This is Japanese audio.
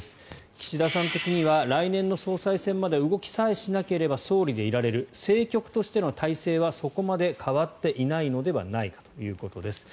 岸田さん的には来年の総裁選まで動きさえしなければ総理でいられる政局としての大勢はそこまで変わっていないのではないかということです。